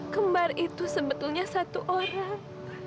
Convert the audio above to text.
kembar itu sebetulnya satu orang